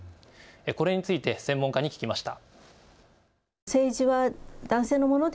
これについて専門家に聞きました。